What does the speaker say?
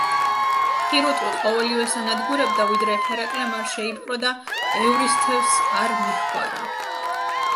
პირუტყვი ყოველივეს ანადგურებდა, ვიდრე ჰერაკლემ არ შეიპყრო და ევრისთევსს არ მიჰგვარა.